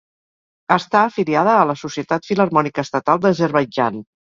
Està afiliada a la Societat Filharmònica Estatal d'Azerbaidjan.